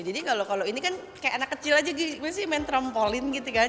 jadi kalau ini kan kayak anak kecil aja gitu sih main trampolin gitu kan